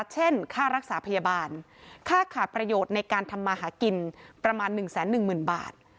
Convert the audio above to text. ค่ารักษาพยาบาลค่าขาดประโยชน์ในการทำมาหากินประมาณ๑๑๐๐๐บาท